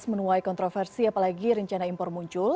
menuai kontroversi apalagi rencana impor muncul